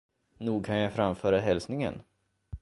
Nog kan jag framföra hälsningen.